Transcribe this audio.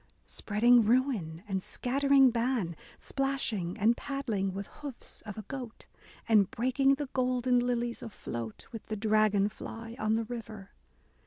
Spreading ruin and scattering ban, A DAY WITH E. B. BROWNING Splashing and paddling with hoofs of a goat. And breaking the golden lilies afloat With the dragon fly on the river.